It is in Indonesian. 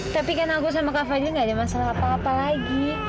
tapi karena aku sama kak fah ini nggak ada masalah apa apa lagi